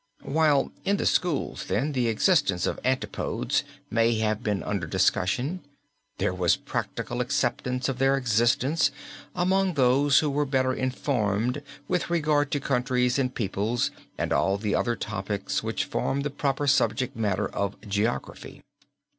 While in the schools, then, the existence of antipodes may have been under discussion, there was a practical acceptance of their existence among those who were better informed with regard to countries and peoples and all the other topics which form the proper subject matter of geography.